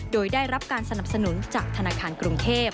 โดยได้รับการสนับสนุนจากธนาคารกรุงเทพ